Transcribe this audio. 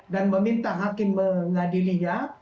dan meminta hakim mengadilinya